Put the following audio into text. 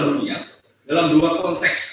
dunia dalam dua konteks